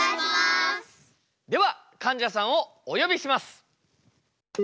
ではかんじゃさんをお呼びします！